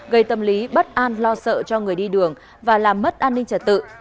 gây tâm lý bất an lo sợ cho người đi đường và làm mất an ninh trật tự